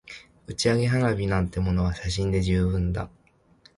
打ち上げ花火なんてものは写真で十分だ